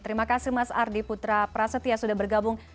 terima kasih mas ardi putra prasetya sudah bergabung